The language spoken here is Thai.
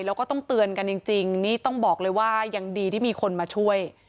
แล้วก็ต้องเตือนกันจริงนี่ต้องบอกเลยว่ายังดีที่มีคนมาช่วย